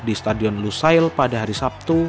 di stadion lusail pada hari sabtu